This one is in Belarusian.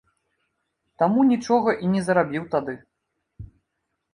Таму нічога і не зарабіў тады.